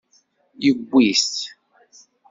Yewwi-t.